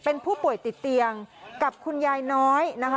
เป็นผู้ป่วยติดเตียงกับคุณยายน้อยนะคะ